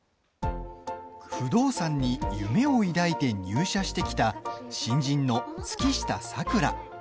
不動産に夢を抱いて入社してきた、新人の月下咲良。